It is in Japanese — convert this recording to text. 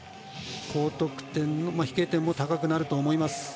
高得点、飛型点も高くなると思います。